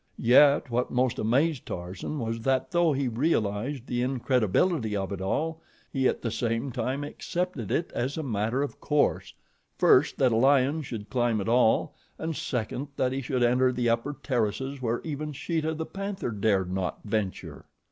Yet what most amazed Tarzan was that though he realized the incredibility of it all, he at the same time accepted it as a matter of course, first that a lion should climb at all and second that he should enter the upper terraces where even Sheeta, the panther, dared not venture.